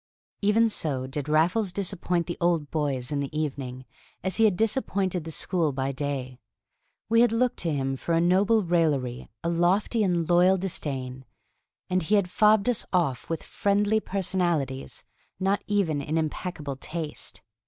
Even so did Raffles disappoint the Old Boys in the evening as he had disappointed the school by day. We had looked to him for a noble raillery, a lofty and loyal disdain, and he had fobbed us off with friendly personalities not even in impeccable taste.